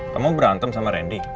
kamu berantem sama rendy